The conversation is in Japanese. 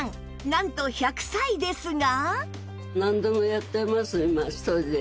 なんと１００歳ですが